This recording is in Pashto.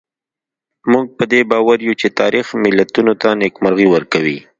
موږ په دې باور یو چې تاریخ ملتونو ته نېکمرغي ورکوي.